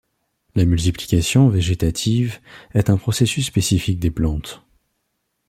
La multiplication végétative est un processus spécifique des plantes.